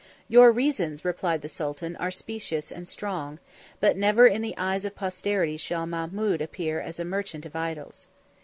"Your reasons," replied the sultan, "are specious and strong; but never in the eyes of posterity shall Mahmud appear as a merchant of idols."